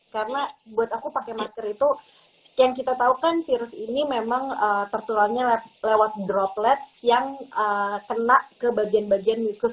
karena buat aku pakai masker itu yang kita tahu kan virus ini memang tertulannya lewat droplets yang kena ke bagian bagian mikus